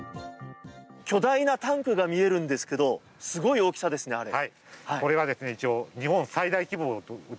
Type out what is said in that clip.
巨大なタンクが見えるんですけどすごい大きさですね、あれ。